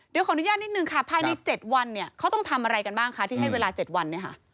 เดี๋ยวขออนุญาตนิดนึงค่ะภายใน๗วันเนี่ยเขาต้องทำอะไรกันบ้างคะที่ให้เวลา๗วันเนี่ยค่ะ